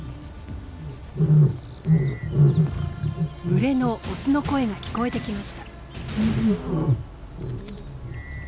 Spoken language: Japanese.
群れのオスの声が聞こえてきました。